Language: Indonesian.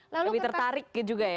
lebih tertarik juga ya